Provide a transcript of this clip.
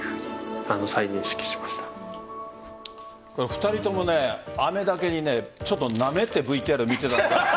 ２人とも飴だけにちょっとなめてＶＴＲ見てた。